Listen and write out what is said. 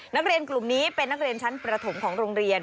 นักเรียนกลุ่มนี้เป็นนักเรียนชั้นประถมของโรงเรียน